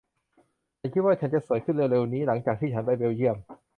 ฉันคิดว่าฉันจะสวยขึ้นเร็ว ๆ นี้หลังจากที่ฉันไปเบลเยี่ยม